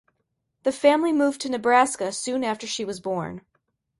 The family moved to Nebraska soon after she was born.